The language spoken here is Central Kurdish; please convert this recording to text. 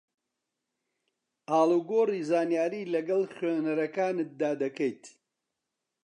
ئاڵوگۆڕی زانیاری لەگەڵ خوێنەرەکانتدا دەکەیت